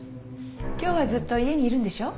今日はずっと家にいるんでしょ？